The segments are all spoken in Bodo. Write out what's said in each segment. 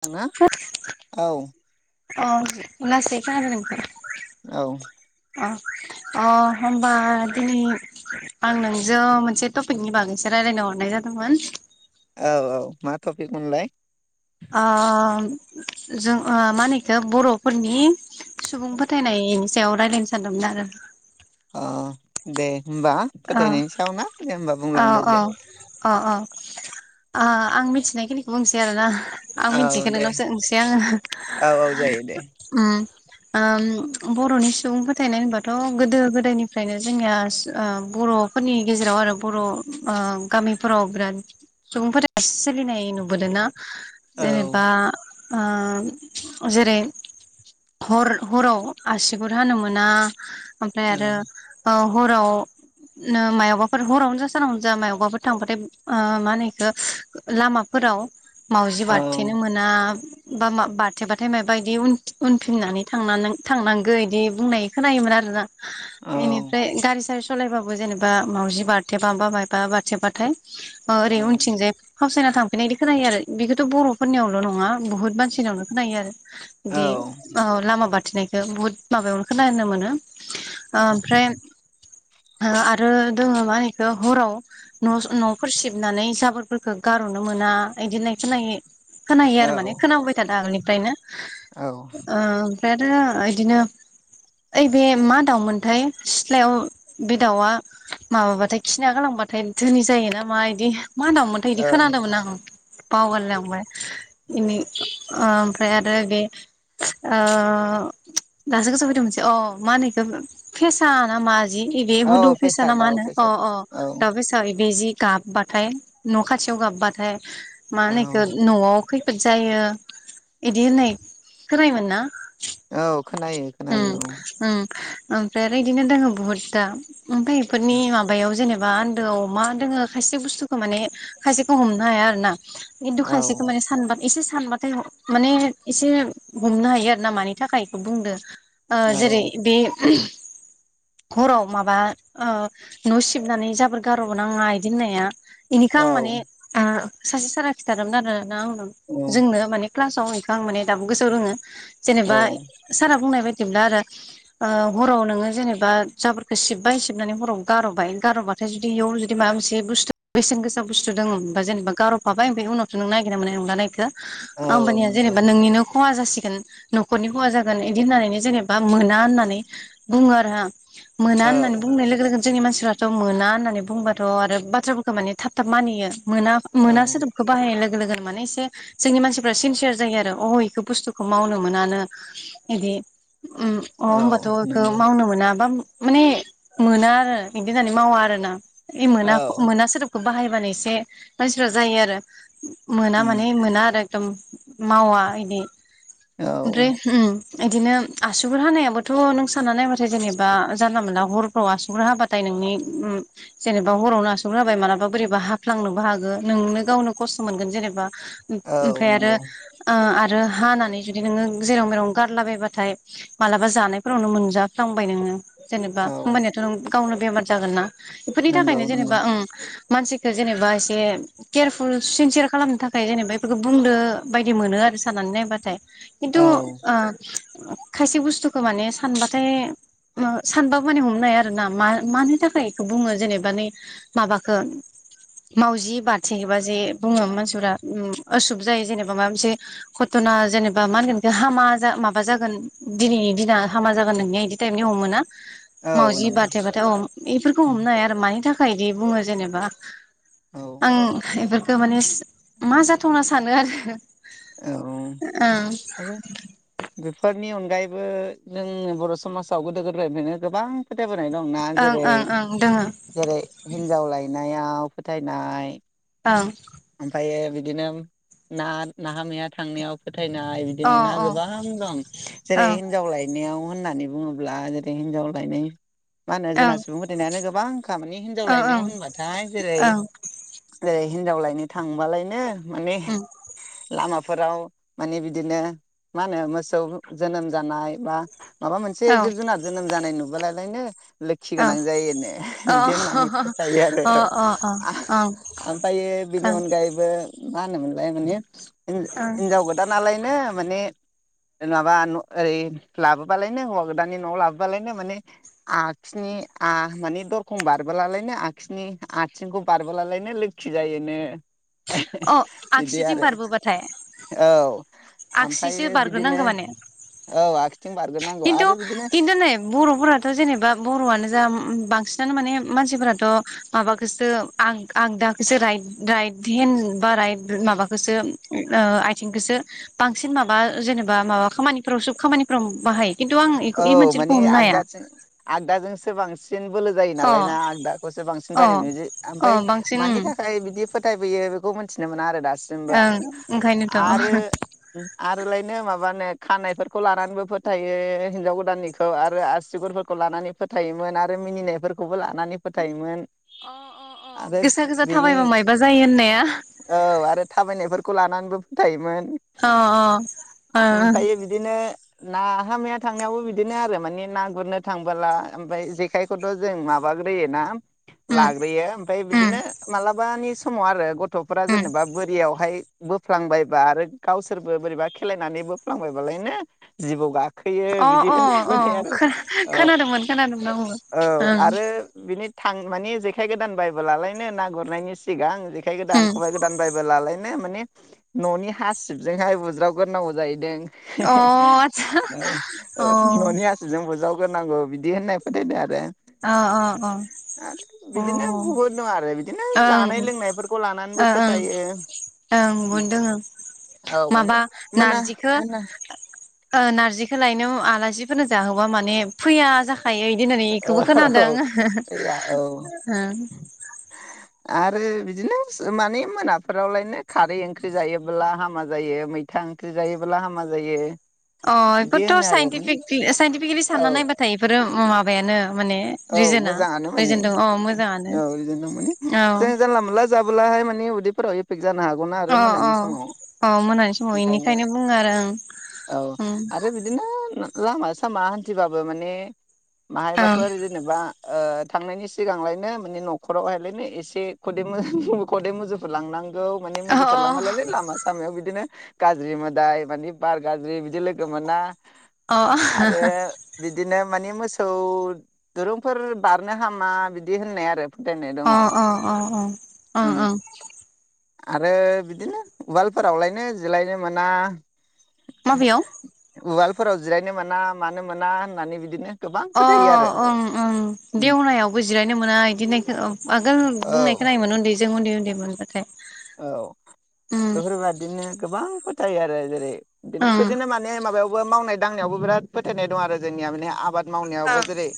खोनादोंना औ। अ लासै खोनादों नोंथां। औ अ होबा दिनै आं नोंजों मोनसे टपिकनि बागैसो रायलायनो हरनाय जादोंमोन। औ औ मा टपिकमोनलाय? ओ जों मा होनोनोखौ बरफोरनि सुबुं फोथायनाय सायाव रायलायनो सानदोंमोन आरो अ दे। होमबा फोथायनायनि सायाव नाे होनबा औ बुंलांदो दे। आ आं मिथिनायखिनिखौ बुंसै आरोना। आं औ मिथिखो दे नोंनाव सोंसै आङो औ औ जायो दे ओम । ओम बर'नि सुबुं फोथायनाय होनोबाथ गोदो गोदायनिफ्रायनो जोंनिया। बर'फोरनि गेजेराव आरो बर' ओ गामिफोराव बिराद सुबुंफोरा फोथायनाय सोलिनाय नुबोदों ना‌ औ जेनेबा अ जेरै हर-हराव आसिगुर हानो मोना। ओमफ्राय औ आरो औ। हराव नो मायावबाफोर हरावनो जासानांगौनो जा मायावबाफोर थांबाथाय मा होनो एखौ लामाफोराव। मावजि औ बारथेनो मोना। बा मा बारथेबाथाय माबाायदि उनफिननानै थांनानों थांनांगौ बिदि बुंनाय खोनायोमोन आरोना। औ बेनिफ्राय गारसारस सलायबाव जेनेबा मावजि बारथेबाबामायबा बारथे बाथाय अ रै उनथिंजाय फावसायना थांफिनायदि खोनायो आरो बेखौथ' बर'फोरनियावल नङा बुहुथ मानसिनियावनो खोनायो आरो औ दि ओ लामा बाथिनाय बुहुत माबायावनो खोनानो मोनो। ओमफ्राय ओ आरो दोङो माहिखो हराव नस नफोर सिबनानै जाबोरफोरखौ गारहनो मोना इदि होनाय खोनायो। खोनायो आरो माने औ खोनाबोबाय थादों आगोलनि दायनो। औ अ ब्रेद ओ ओइदिनो ओइबे मा दाउमोनथाय सिथ्लायाव बे दाउआ माबाथाय खिना गालांबाथाय धोनि जायोना मा इदि मा दावमोनथाय इदि औ खोनादोंमोन आं बावगारलांबाय इनि ओमफ्राय आरो बे ओ दासो गोसोव फैदों मोनसे अ मा होनो इखो फेसा ना मा जि बे हुदु औ फिसा ना फेसाद मा औ नो अ फेसाद औ अ औ दा फेसा बे जि गाबबाथाय न' खाथियाव गाबबाथाय मा होनो इखो औ नवाव खैफोद जायो इदि होननाय खोनायोमोन ना औ खोनायो उम खोनायो औ उम ओमफ्राय आरो बिदिनो दङो बुहुत दा ओमफ्राय बेफोरनि औ माबायाव जेने बा आन्दोआव मा दोङो खायसे बुस्थुखौ माने खायसेखौ हमनो हाया आरो ना इन्दु औ औ खायसेखौ माने सानबा एसिस सानबाथाय माने एसे हमनो हायो आरो ना मानि थाखाय इखौ बुंदो। ओ औ जेरै बे [unintelligible] हराव माबा ओ न सिबनानै जाबोर गारनाङा इदि होननाया इनिखो औ आं माने ओ सासे सारा खिथादोंमोन आरो नाव नाव औ जोंनो माने क्लास आव बेखौ आं माने दाबो गोसोआव दोङो। जेनेबा सारा बुंनाय बाय दिब्ला आरो ओ हराव नोङो जेनेबा जाबोरखौ सिबबाय सिबनानै हराव गारबाय गारबाथाय जुदि बेयाव जुदि माबा मोनसेुस्थु बेसेन गोसा बुस्थु दङोमबा जेनेबा गारफाबाय ओमफ्राय उनावथ' नागिरना मोनो नंला [inaudible] औ [unintelligible] होमबानिया नंगौ जेनेबा नोंनिनो खहा जासि नखरनि खहा जागोन इदि होननानै जेनेबा मोना होननानै बुङो आरो ना मोना औ होननानै बुंनाय लोगो लोगोनो जोंनि मानसिफ्रा मोना होननानै बुंबाथ' आरो बाथ्राफोरखौ माने थाब थाब मानियो। मोना औ मोना सोदोबखौ बाहायनाय लोग लोगो लोगोनो माने एसे जोंनि मानसिफ्रा सिनसियार जायो आरो अ इखौ बुस्थुखौ मावनो मोनानो इदि उमअ होमबाथ औ बेखौ नंगौ मावनो मोना बा मो माने मोना आरो इदि होननानै मावा आरो ना। ए औ मोनाख- मोना सोदोबखौ बाहायबानो एसे मानसिफ्रा जायो आरो मोना उम माने मोना आरो दम मावा इदि औ ओमफ्राय उम इदिनो आसुगुर हानायाबोथ' नों साना नायबाथाय जेनेबा जानला मोनला हरफ्राव आसुर हाबाथाय नोंनि उम जेनेबा हरावनो आसुर हाबाय मालाबा बोरैबा हाफ्लांनोबो हागौ नोंनो गावनो खस्थ' मोनगोन जेनेबा। औ ओमफ्राय नंगौ आरो ओ ओ हानानै जुदि नोङो जेराव मेराव गारलाबायबाथाय मालाबा जानायफोरावनो मोनजाफ्लांबाय नोङो जेनेबा औ होमबानियाथ' नों गावनो बेमार जागोन ना बेफोरनि नंगौ थाखायनो नंगौ जेनेबा ओं मानसिखो जेनेबा एसे केयारफुल सिनसियार खालामनो थाखाय जेनेबा बेफोरखौ बुंदो बायदि मोनो आरो साननानै नायबाथाय। खिन्थु औ ओ खायसे बुस्थुखौ माने सानबाथाय सानबाबो माने हमनो हाया आरो ना मा मानि थाखाय बेखौ बुङो जेनेबा नै माबाखौ मावजि बारथियोबा जे बुङो मानसिफोरा उम उसुब जायो जेनेबा माबा मोनसे घटना जेनेबा मा होनगोन हामा माबा जागोन दिनैनि दिना हामा जागोन नोंनि बिदि टाइप निउ मोना औ मावजि नंगौ बारथेबाथाय औ एफोरखौ उम हमनो हाया आरो मानि थाखाय खायदि बुङो जेनेबा औ आं एफोर ओ माने सो मा जाथावना [inaudible] सानो आरो औ ओं आरो बेफोर नि अनगायैबो नों बर' समाजाव गोदो गोदायनिफायनो गोबां फोथाय बोनाय दंना ओं जेरै ओं ओं दोङो जेरै हिजाव लायना नायाव फोथायनाय ओं ओमफायो बिदिनो उम ना नाहा मैया थांनायाव फोथायनाय अ बिदिनो ना गोबां दं जेरै ओं हिनजाव लायनायाव होननानै बुंङोब्ला जेरै हिनजाव लायनाय मा होनो ओं जोंना सुबुं फोथायनायानो गोबांखा खामानानि हिनजाव ओ ओं लायनायाव होनबाथाय जेरै- ओं रजै हिनजाव लायनो थांबालायनो माने उम लामाफोराव माने बिदिनो मा होनो मोसौ जोनोम जानाय बा माबा मोनसे औ जिब जुनार जोनोम जानाय नुुब बोलालायनो लोखि औ गोनां जायो नो अ बिदि होननानै फोथायो आरो अ औ अ आ अ ओं आमफायो बेनि अनगायैबो मा होनोमोनलाय माने हिन ओं हिनजाव गोदानालायनो माने माबा न ओरै लाबोबालायनो हौवा गोदाननि नआव लाबोबालायनो माने आखिनि आ माने दरखं बारबोलालायनो आखिनि आथिंखौ बारबोलालायनो लोखि जायोनो। अ बिदि आगसिथिं आरो बारबोबाथाय औ आगसिसो आमफ्रायो बिदिनो बारग्रोनांगौ माने औ आखि खिन्थु खिन्थु नै बर'फोराथ जेनेबा बर'आनो जा उम बांसि नानो माने मानसिफोराथ माबाखोसो आग आगदाखोसो राइट राइट हेन बा राइट माबाखोसो ऐ आइथिंखोसो बांसिन माबा जेनेबा माबा खामानिफोराव सोब खामानि फोराव बाहाय औ मानि आगदाथिं आगदाजोंसो बांसि सिन बोलो जायो अ नालाय ना आगदाखौसो बांसिन अ बाहायनाय नुयोदि अ ओमफाय बांसिन मानि उम थाखाय बिदि फोथायबोयो बेखौ मोनथिनो मोना आरो दा सिमबो ओं ओंखायनोथ' आरो आरोलायनो माबानो खानायफोरखौ लानानैबो फोथायो। हिनजाव गोदाननिखौ आरो आसिगुरफोरखौ लानानै फोथायोमोन आरो मिनिनायफोरखौबो लानानै फोथायोमोन। आगै गोसा गोसा बिनि थाबायबा मायबा जायो होननाया औ आरो थाबायनायफोरखौ लानानैबो थायोमोन अ अ ओ ना हामेद थांनायावबो बिदिनो आरो माने ना गुरनो थांबोला ओमफायय जेखायखौथ जों माबाग्रोयोना उम लाग्रोयो ओमफाय उम बिदिनो मालाबानि समाव आरो ग गथफ्रा उम जेनोबा बोरियावहाय बोफ्लांबायबा आरो गावसोरबो बोरैबा खेलायनानै बोफ्लांबायबालायनो जिबौ गाखो अ अ औ खोना औ खोनादोंमोन खोनादों अ उह औ ओं आरो बिनि थां माने जेखाय गोदान बायबोलालायनो ना गुरनायनि सिगां जेखाय गोदान उम खबाइ गोदान बायबोलालायनो माने न नि हासिबजोंहाय बुज्रावगोरनांगौ जाहैदों। अ आतसा औ अ उह न'नि हासिबजों बुज्राव गोर नांगौ बिदि होननाय फोथायदो आरो अ अ अ अ आरो बिदिनो बुहुद दं आरो बिदिनो ओं जानाय लोंनायफोरखौ ओ लानानैबो ओं फोथायो ओं बुन दोंङो औ माने माबा मोना नारजिखो मोना ओ नारजि होलायनो आलासिफोरनो जाहोबा माने फैया जा हायो इदि होननानै इखौबो खोनादों औ गैया [unintelligible] औ उह आरो बिदिनो सो माने मोनाफोरावलायनो खारै ओंख्रि जायोबोब्ला हामा जायो मैथा ओंख्रि जायोब्ला हामा जायो। अ बिदि एफोरथ होनो आरो माने साइनटिफिकिल साइनटिफिकेलि औ सानना नायबाथाय एफोरो अ माबायानो माने औ रिजोना मोजाङानो माने रिजोन दं अ मोजाङानो औ रिजोन दं माने औ जों जानला मोनला जाब बुलाहाय माने उदैफोराव एफेक्ट जानो हागौना आरो अ मोनानि समाव अ अ मोनानि समाव एखायनो बेनिखायनो बुङो आरो औ ओं आरो बिदिनो लामा सामा हान्थिबाबो माने ओं माहायबाफोर इदि उह थांनायनि सिगांलायनो माने नखरावहायलायनो एसे खदै मो खदै मुजुहो लांनां औ माने औ अ मुजुफोरलांबालायनो लामा सामायाव बिदिनो गाज्रि मोदाय मानि बार गाज्रि बिदि लोगो मोना आरो बिदिनो माने मोसौ दुरुंफोर बारनो हामा बिदि होननाय आरो फोथायनाय दङ अ अ अ अ ओं उम ओं आरो बिदिनो उवालफोरावलायनो जिरायनो मोना माबेयाव? फोराव जिरायनो मोना मानो मोना होननानै बिदिनो गोबां अ फोथायो आरो ओं ओं औ देवनायावबो जिरायनो मोना इदि होन आगोल बुंनायखौ खोनायोमोन उन्दै जों उन्दै उन्दै मोन औ बेफोरबायादिनो गोबां फोथायो आरो जेरै बिदिनो ओं बिदिनो माने माबायाव मावनाय दांनायावबो बिराद फोथायनाय दं आरो जोंनिया माने आबाद ओं मावनायावबो जेरै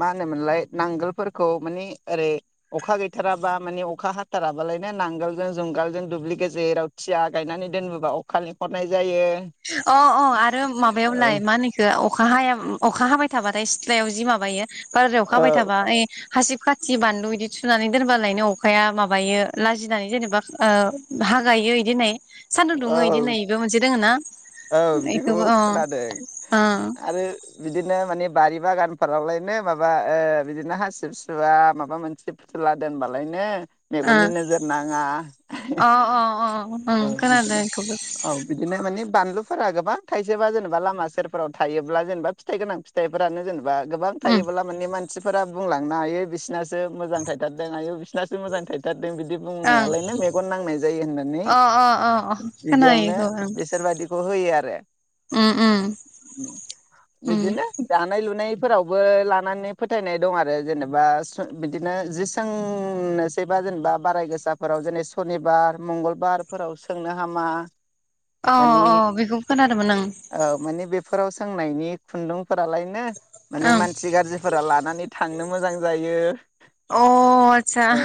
मा होनोमोनलाय नांगोलफोरखौ मानि ओरै अखा गैथाराबा माने अखा हाथाराबालायनो नांगोल जों जुंगालजों दुब्लि गेजेराव थिया गायनानै दोनबोबा अखा लिंहरनाय जायो। अ अ आरो औ माबायावलाय मा होनो बेखो अखा हाया अखा हाबाय थाबा सिथ्लायाव जि माबायो बाराद्राय अखा औ हाबाय थाबा ए हासिब खाथि बानलु इदि थुनानै दोनबालायनो अखाया माबायो लाजिनानै जेनेबा ओ हागायो इदि होननाय सान्दुं दुङो औ इदि नैबो मोनसे दोङो ना औ बिदिखौ इखौबो खोनादों अ ओ आरो बिदिनो माने बारि बागानफोरावलायनो माबा ओ बिदिनो हासिबसुवा माबा मोनसे फुला दोनबालायनो ओ मेगननि नोजोर नाङा अ अ अ ओं औ खोनादों बिदिनो इखौबो औ बिदिनो माने बा फानलुफोरा गोबां थाइजोबा जेनेबा लामा सेरफोराव थायोब्ला जेनेबा फिथाइ गोनां फिथाइफोरानो जेनेबा बा गोबां उम थायोब्ला माने मानसिफोरा बुंलांनो हायो बिसोरनासो मोजां थायथारदों हायो बिसोर दासो मोजां थायथारदों बिदि ओं बुंनायालायनो मेगन नांनाय जायो होननानै अ अ अ अ खोनायो बिदियावनो इखौ ओं बिसोरबायदिखौ होयो आरो उम उम उम बिदिनो दानाय लुनाय फोरावबो लानानै फोथायनाय दं आरो जेनेबा बिदिनो जि सोंनोसैबा जेनेबा बाराय गोसाफोराव जेनै सनिबार मंगलबार फोराव सोंनो हामा अ माने औ बेखौबो खोनादोंमोन आं औ । माने बेफोराव सोंनायनि खुन्दुं फोरालायनो माने ओं मानसि गाज्रिफोरा लानानै थांनो मोजां जायो ओं अ आतसा । औ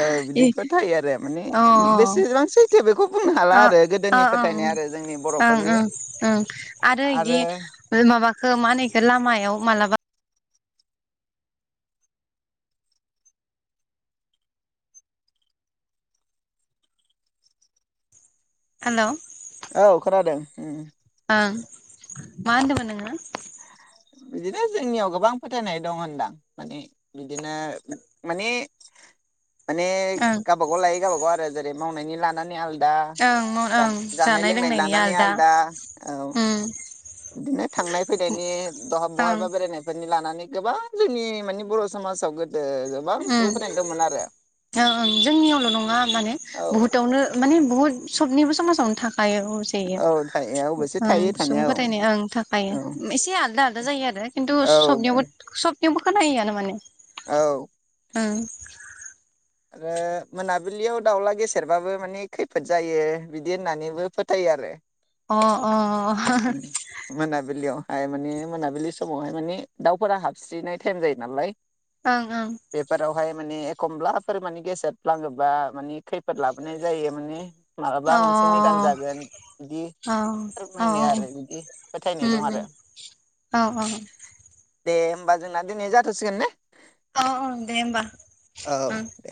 औ इ बिदिफोर थायो आरो माने अ बेसेबां सैथो बेखौ बुंनो हाला ओ आरो ओ गोदोनिफ्राय ओं ओं ओं आरो इदि माबा खो मानिखो लामायाव मालाबा हेलौ औ खोनादों ओम ओं मा होनदों मोन नोंङो? बिदिनो जोंनियाव गोबां फोथायनाय दं होनदां माने बिदिनो माने माने गावबागाव लायो गावबागाव आरो जेरै मावनायनि लानानै आल ओं ओं जानाय लोंनायनि आलदा औ उम। बिदिनो थांनाय फैनायनि दहाब ओं बहायबा बेरायनायफोरनि लानानै गोबां जोंनि माने बर समाजाव गो उम ओ ओं जोंनियावल नङा माने औ बुहुथावनो माने बुहुत सबनिबो समाजावनो थाख [unintelligible] औ थायो अबयसे ओं थायो थानाया सुबुं औ फोथायनाय ओं थाखायो एसे आलदा आलदा जायो आरो किन्तु औ सबनियावबो सब थेवबो खोनायोआनो माने औ ओं आरो मोनाबिलियाव दाउला गेसेेरबाबो माने खैफोद जायो बिदि होननानैबो फोथायो आरो अ उम अ मोनाबिलियाव हाय माने मोनाबिलि समावहाय माने दाउफोरा हाबस्रिनाय थाइम जायो नालाय ओं ओं हय माने एखमब्ला फोर माने गेसेेद फ्लाङोबा मानि खैफोद लाबोनाय जायो माने मालाबा मोनसे निदान अ जागोन इदि औ फोरमायनाय औ आरो बिदि फोथायनाय दं उम उम आरो। औ दे होमबा जोंना दिनै जाथसिगोन ने अ अ दे होमबा औ उम। दे